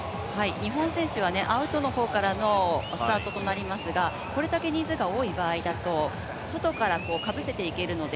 日本選手はアウトの方からのスタートとなりますが、これだけ人数が多い場合だと外からかぶせていけるので